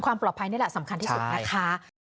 ความปลอดภัยนี่แหละสำคัญที่สุดนะคะ